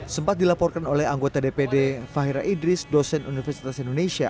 sempat dilaporkan oleh anggota dpd fahira idris dosen universitas indonesia